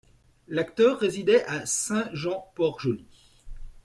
L'acteur résidait à Saint-Jean-Port-Joli.